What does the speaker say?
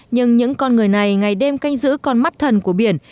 nhưng những con người này ngày đêm canh giữ con mắt thần của biển